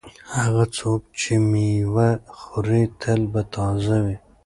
هغه څوک چې مېوه خوري تل به تازه وي.